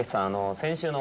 先週の。